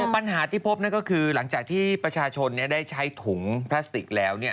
ปัญหาที่พบนั่นก็คือหลังจากที่ประชาชนได้ใช้ถุงพลาสติกแล้ว